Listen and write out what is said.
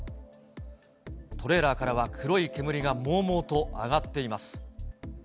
トレーラーからは黒い煙がもうもうと上がっています。